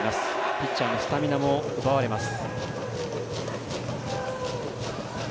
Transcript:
ピッチャーのスタミナも奪われます。